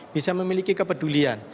bisa memiliki kepedulian